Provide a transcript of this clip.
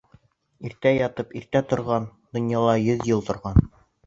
Иртә ятып иртә торған -Донъяла йөҙ йыл торған.